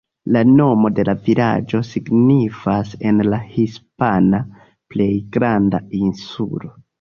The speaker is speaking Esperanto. La nomo de la vilaĝo signifas en la hispana "Plej granda insulo".